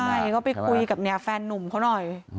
ใช่ก็ไปคุยกับแฟนนุ่มเขาหน่อย